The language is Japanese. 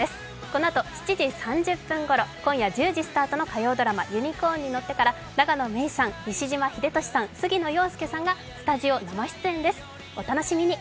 このあと、７時３０分ごろ、今夜１０時スタートの火曜ドラマ「ユニコーンに乗って」から永野芽郁さん、西島秀俊さん、杉野遥亮さんがスタジオ生出演です、お楽しみに。